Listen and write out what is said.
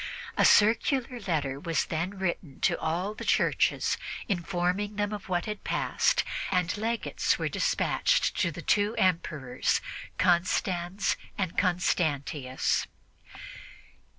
A circular letter was then written to all the Churches, informing them of what had passed, and legates were dispatched to the two Emperors, Constans and Constantius.